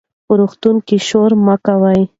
په روغتون کې شور مه کوئ.